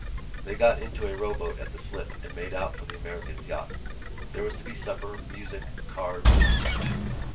_ They got into a rowboat at the slip and made out for the American's yacht. There was to be supper, music, cards.